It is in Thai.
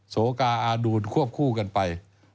โสกาอาดูลควบคู่กันไป